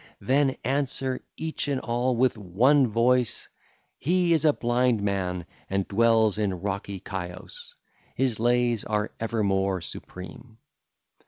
Then answer, each and all, with one voice: 'He is a blind man, and dwells in rocky Chios: his lays are evermore supreme.